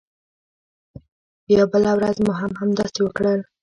بیا بله ورځ مو هم همداسې وکړل.